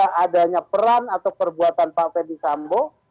karena adanya peran atau perbuatan pak ferdisambo